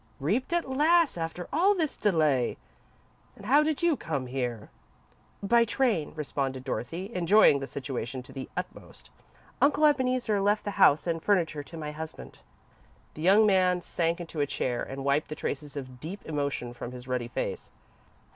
Reaped at last, after all this delay! Then how did you come here?" "By train," responded Dorothy, enjoying the situation to the utmost. "Uncle Ebeneezer left the house and furniture to my husband." The young man sank into a chair and wiped the traces of deep emotion from his ruddy face.